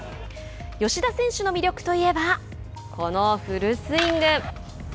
吉田選手の魅力といえばこのフルスイング。